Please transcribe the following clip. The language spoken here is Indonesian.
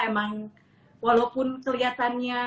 emang walaupun kelihatannya